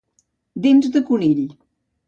Dents de conill.